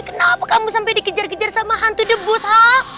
kenapa kamu sampai dikejar kejar sama hantu debus hah